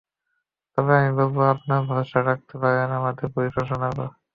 তবে আমি বলব, আপনারা ভরসা রাখতে পারেন আমাদের পুলিশ প্রশাসনের ওপর।